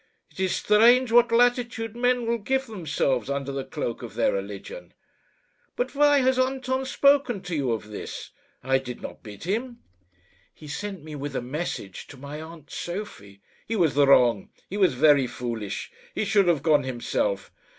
It is strange what latitude men will give themselves under the cloak of their religion! But why has Anton spoken to you of this? I did not bid him." "He sent me with a message to my aunt Sophie." "He was wrong; he was very foolish; he should have gone himself."